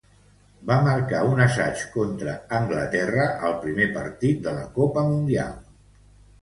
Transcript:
Va marcar un assaig contra Anglaterra al primer partit de la Copa Mundial.